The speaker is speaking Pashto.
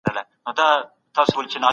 سياسي همږغي د هيواد پرمختګ ګړندی کوي.